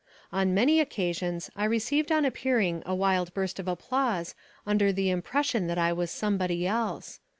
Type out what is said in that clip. On many occasions I received on appearing a wild burst of applause under the impression that I was somebody else.